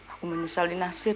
aku menyesali nasib